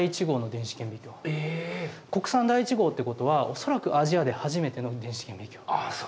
国産第１号ってことは恐らくアジアで初めての電子顕微鏡。